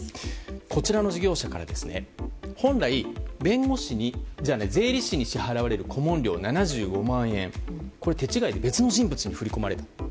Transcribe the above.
こちらの事業者から本来、税理士に支払われる顧問料７５万円を手違いで別の人物に振り込まれた。